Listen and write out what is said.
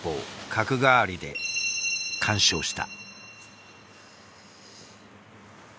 角換わりで完勝した。